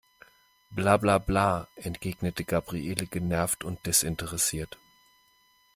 Bla bla bla, entgegnete Gabriele genervt und desinteressiert.